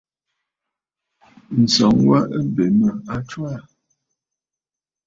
Ǹsɔŋ wa wa ɨ bè mə a ntswaà.